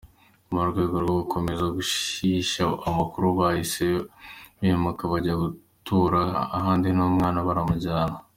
Mu rwego rwo gukomeza guhisha amakuru, bahise bimuka bajya gutura ahandi n’umwana baramujyana.